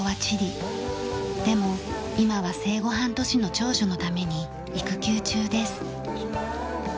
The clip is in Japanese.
でも今は生後半年の長女のために育休中です。